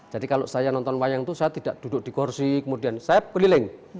jadi kalau saya nonton wayang itu saya tidak duduk di kursi kemudian saya keliling